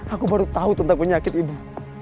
aku baru tahu tentang penyakit ibu